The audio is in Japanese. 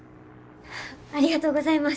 ありがとうございます！